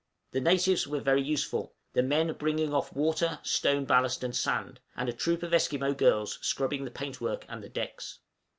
The natives were very useful, the men bringing off water, stone ballast, and sand, and a troop of Esquimaux girls scrubbing the paintwork and the decks.